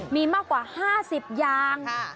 มีมากกว่า๕๐ยาง